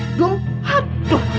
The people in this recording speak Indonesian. tek dum haduh